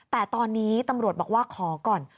แต่ตอนนี้ตำรวจบอกว่าขอก่อน